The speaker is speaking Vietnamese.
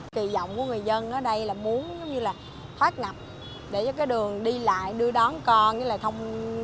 kỳ vọng của người dân ở đây là muốn như là thoát ngập để cho cái đường đi lại đưa đón con